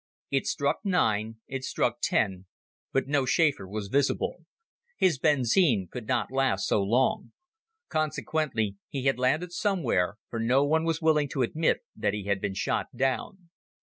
It struck nine, it struck ten, but no Schäfer was visible. His benzine could not last so long. Consequently, he had landed somewhere, for no one was willing to admit that he had been shot down.